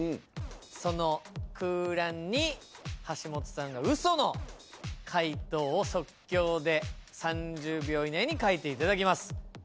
その空欄に橋本さんの嘘の解答を即興で３０秒以内に書いていただきます。